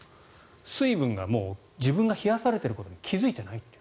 水分が自分が冷やされていることに気付いてないという。